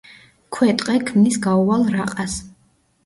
ქვეტყე ქმნის გაუვალ რაყას.